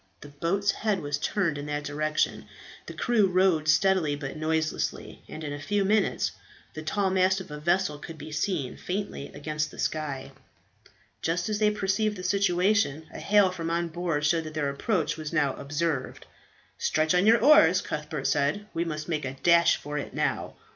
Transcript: The boat's head was turned in that direction; the crew rowed steadily but noiselessly, and in a few minutes the tall mast of a vessel could be seen faintly against the sky. Just as they perceived the situation, a hail from on board showed that their approach was now observed. "Stretch to your oars," Cuthbert said, "we must make a dash for it now."